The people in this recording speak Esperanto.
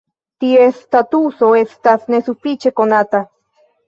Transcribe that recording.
Ties statuso estas nesufiĉe konata.